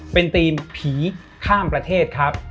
เป็นทีมผีข้ามประเทศครับ